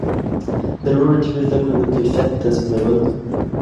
د لوړو طبي زده کړو د کیفیت تضمینول